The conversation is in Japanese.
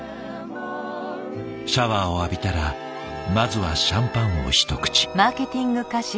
シャワーを浴びたらまずはシャンパンを一口。